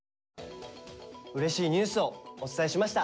うれしいニュースをお伝えしました。